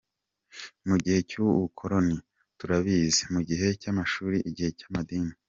Mu gihe cy’ubukoloni, turabizi, mu gihe cy’amashuri, igihe cy’amadini.